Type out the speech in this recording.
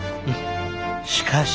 しかし。